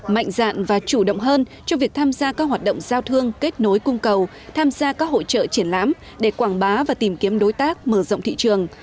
mạnh dạn và chủ động hơn trong việc tham gia các hoạt động giao thương kết nối cung cầu tham gia các hội trợ triển lãm để quảng bá và tìm kiếm đối tác mở rộng thị trường